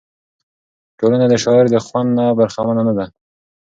ټولنه د شاعر د خوند نه برخمنه نه ده.